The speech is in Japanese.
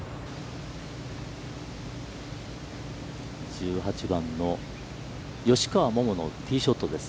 １８番、吉川桃のティーショットです。